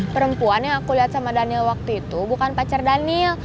perempuan yang aku lihat sama daniel waktu itu bukan pacar daniel